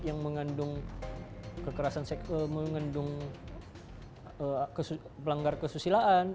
yang mengandung pelanggar kesusilaan